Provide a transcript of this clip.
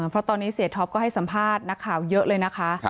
เพราะตอนนี้เสียท็อปก็ให้สัมภาษณ์นักข่าวเยอะเลยนะคะ